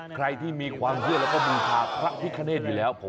ใครที่มีความเชื่อแล้วก็บูชาพระพิคเนธอยู่แล้ว